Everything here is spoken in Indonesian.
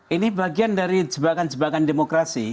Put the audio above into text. ini bagian dari jebakan jebakan demokrasi